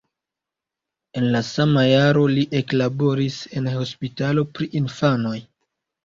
En la sama jaro li eklaboris en hospitalo pri infanoj.